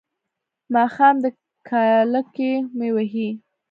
ماښام دی کاله کې مې وهي.